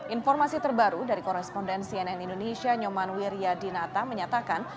informasi terbaru dari koresponden cnn indonesia nyoman wiryadinata menyatakan